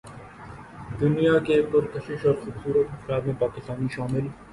دنیا کے پرکشش اور خوبصورت افراد میں پاکستانی شامل